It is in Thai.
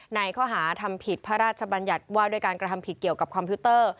ในข้อหาทำผิดพระราชบัญญัติว่าด้วยการกระทำผิดเกี่ยวกับคอมพิวเตอร์